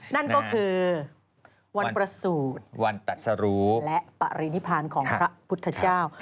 นั่นก็คือวันประสูจน์วันตัดสรุและปรินิพานของพระพุทธเจ้า